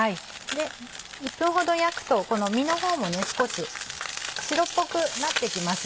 で１分ほど焼くとこの身の方も少し白っぽくなってきますね。